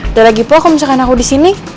udah lagi poh kalo misalkan aku disini